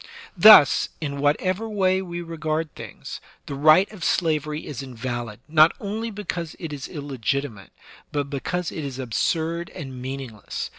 Thus, in whatever way we regard things, the right of slavery is invalid, not only because it is illegitimate, but because it is absurd and meaningless.